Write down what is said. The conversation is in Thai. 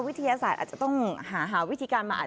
วิทยาศาสตร์อาจจะต้องหาวิธีการมาอ่าน